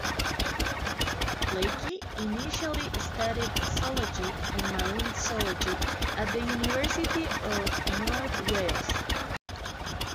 Leakey initially studied Zoology and Marine zoology at the University of North Wales.